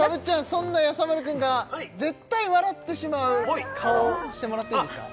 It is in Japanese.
そんなやさ丸くんが絶対笑ってしまう顔してもらっていいですか？